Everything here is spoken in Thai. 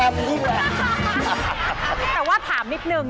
แต่ว่าถามนิดนึง